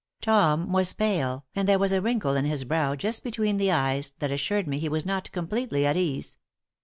Tom was pale, and there was a wrinkle in his brow just between the eyes that assured me he was not completely at ease.